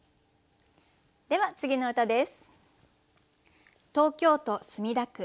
では次の歌です。